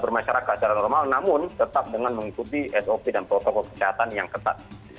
bermasyarakat secara normal namun tetap dengan mengikuti sop dan protokol kesehatan yang ketat